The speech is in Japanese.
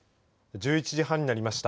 １１時半になりました。